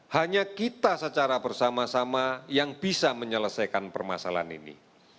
hanya kita secara bersama sama yang bisa menyelesaikan permasalahan ini